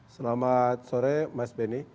selamat sore mas benny